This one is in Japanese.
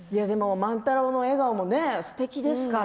万太郎の笑顔もすてきですから。